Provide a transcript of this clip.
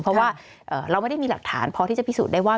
เพราะว่าเราไม่ได้มีหลักฐานพอที่จะพิสูจน์ได้ว่า